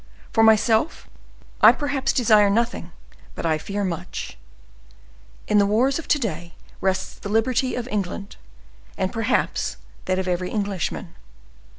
For myself, I perhaps desire nothing, but I fear much. In the war of to day rests the liberty of England, and, perhaps, that of every Englishman.